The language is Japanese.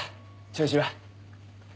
調子は。